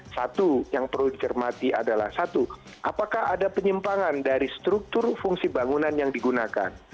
satu yang perlu dicermati adalah satu apakah ada penyimpangan dari struktur fungsi bangunan yang digunakan